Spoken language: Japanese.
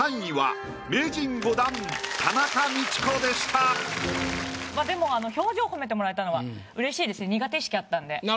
ということでまあでも表情褒めてもらえたのはうれしいですね苦手意識あったんで。